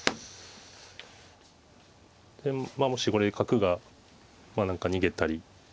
でまあもしこれで角が何か逃げたりすれば。